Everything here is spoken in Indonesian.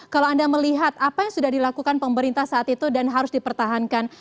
kalau anda melihat apa yang sudah dilakukan pemerintah saat itu dan harus dipertahankan